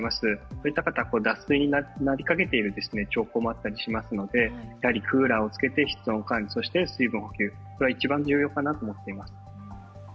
そういった方は脱水になりかけている兆候もあったりしますので、やはりクーラーをつけて室温管理、そして水分補給、これが一番必要かなと思っています。